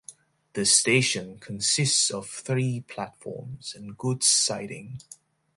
The station consists of three platforms and goods siding.